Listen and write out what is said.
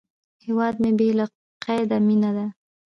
هیواد مې بې له قیده مینه ده